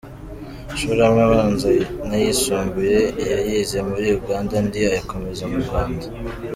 Amashuri amwe abanza n’ayisumbuye yayize muri Uganda andi ayakomereza mu Rwanda.